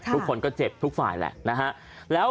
ทุกคนก็เจ็บทุกฝ่ายแหละนะฮะ